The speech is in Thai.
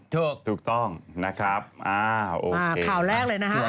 ถูกต้องนะครับโอเค